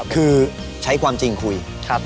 คือใช้ความจริงคุย